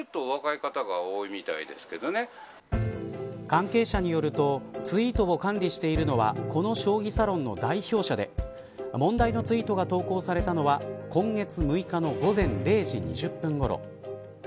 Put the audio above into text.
関係者によるとツイートを管理しているのはこの将棋サロンの代表者で問題のツイートが投稿されたのは今月６日の午前０時２０分ごろ。